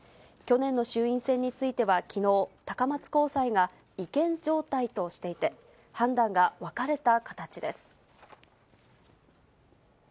去年の衆院選についてはきのう、高松高裁が違憲状態としていて、判断が分かれた形です。